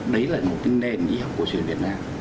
đấy là một cái nền y học cổ truyền việt nam